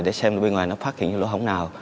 để xem bên ngoài nó phát hiện những lỗ hổng nào